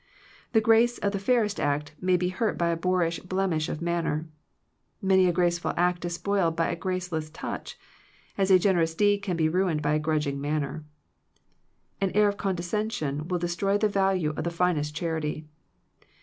The grace of the fairest act may be hurt by a boorish blemish of manner. Many a graceful act is spoiled by a grace less touch, as a generous deed can be ruined by a grudging manner. An air of condescension will destroy the value of the finest charity.